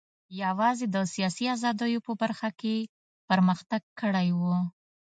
یوازې د سیاسي ازادیو په برخه کې پرمختګ کړی و.